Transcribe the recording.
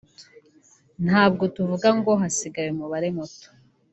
nubwo tuvuga ngo hasigaye umubare muto